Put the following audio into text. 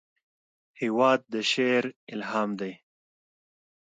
هېواد د شعر الهام دی.